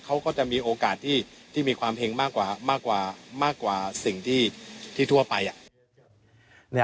เขาก็จะมีโอกาสที่มีความเห็งมากกว่ามากกว่าสิ่งที่ทั่วไป